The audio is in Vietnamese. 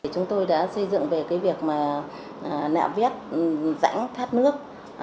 chúng tôi đã xây dựng về việc nạ viết rãnh thắt nước